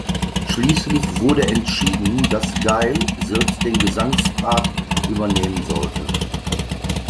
Schließlich wurde entschieden, dass Gaye selbst den Gesangspart übernehmen sollte.